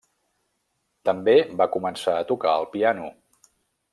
També va començar a tocar el piano.